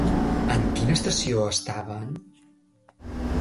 En quina estació estaven?